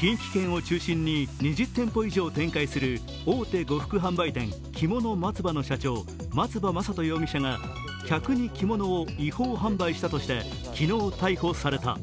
近畿圏を中心に２０店舗以上展開する大手呉服販売店、きもの松葉の社長、松葉将登容疑者が客に着物を違法販売したとして昨日、逮捕された。